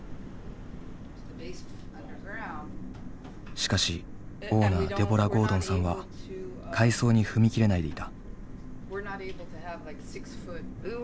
しかしオーナーデボラ・ゴードンさんは改装に踏み切れないでいた。